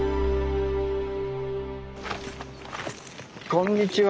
こんにちは。